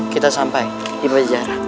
kita sampai di pajajaran